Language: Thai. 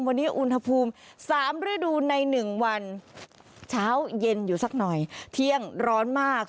วันนี้อุณหภูมิ๓ฤดูใน๑วันเช้าเย็นอยู่สักหน่อยเที่ยงร้อนมาก